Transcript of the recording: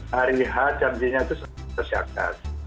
hari h janjinya itu sangat bersyarat